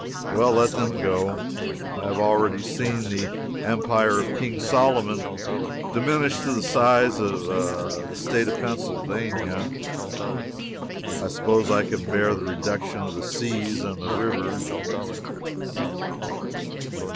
Well, let them go. I have already seen the Empire of King Solomon diminish to the size of the State of Pennsylvania; I suppose I can bear the reduction of the seas and the river.